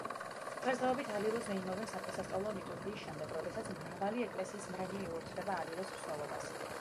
დღესდღეობით ალილოს ზეიმობენ სადღესასწაულო ლიტურგიის შემდეგ, როდესაც მრავალი ეკლესიის მრევლი უერთდება ალილოს მსვლელობას.